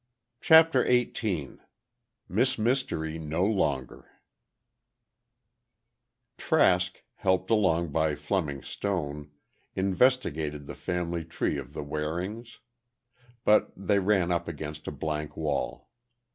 CHAPTER XVIII MISS MYSTERY NO LONGER Trask, helped along by Fleming Stone, investigated the family tree of the Warings. But they ran up against a blank wall.